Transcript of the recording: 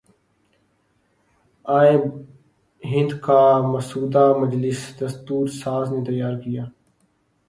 آئین ہند کا مسودہ مجلس دستور ساز نے تیار کیا